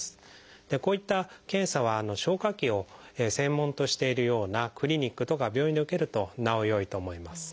こういった検査は消化器を専門としているようなクリニックとか病院で受けるとなおよいと思います。